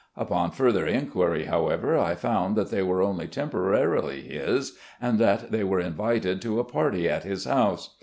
"Upon further inquiry, however, I found that they were only temporarily his, and that they were invited to a party at his house.